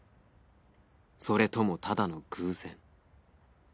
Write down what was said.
それともただの偶然？